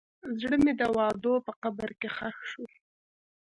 زړه مې د وعدو په قبر کې ښخ شو.